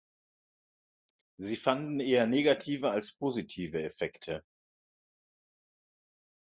Sie fanden eher negative als positive Effekte.